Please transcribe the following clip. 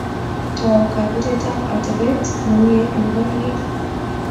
Tou kabetetab atebet ne mie eng pororiet